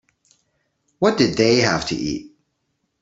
What did they have to eat?